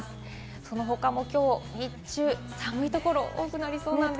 その他もきょう日中、寒いところが多くなりそうなんです。